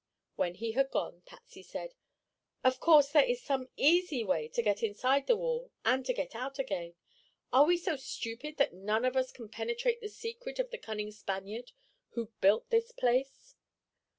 When he had gone, Patsy said: "Of course there is some easy way to get inside the wall, and to get out again. Are we so stupid that none of us can penetrate the secret of the cunning Spaniard who built this place?"